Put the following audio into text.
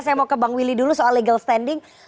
saya mau ke bang willy dulu soal legal standing